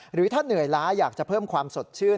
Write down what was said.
หรือถ้าเหนื่อยล้าอยากจะเพิ่มความสดชื่น